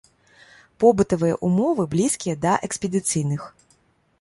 Побытавыя умовы блізкія да экспедыцыйных.